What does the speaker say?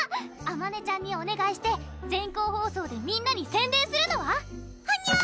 あまねちゃんにおねがいして全校放送でみんなに宣伝するのは？はにゃ！